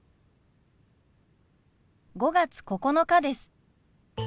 ５月９日です。